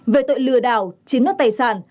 về tội lừa đảo chiếm đoạt tài sản